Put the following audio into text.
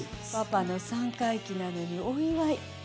パパの三回忌なのにお祝い。